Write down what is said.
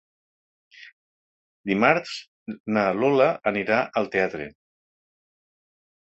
Dimarts na Lola anirà al teatre.